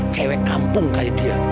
cewek kampung kayak dia